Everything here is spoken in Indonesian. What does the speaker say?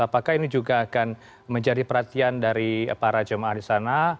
apakah ini juga akan menjadi perhatian dari para jemaah di sana